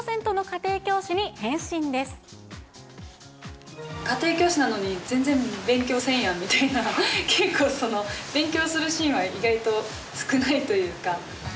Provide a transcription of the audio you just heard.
家庭教師なのに、全然勉強せんやんみたいな、結構、勉強するシーンは意外と少ないというか。